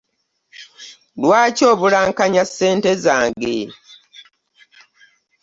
Lwaki obulankanya ssente zange?